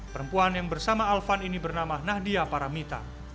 perempuan yang bersama alvan ini bernama nahdia paramita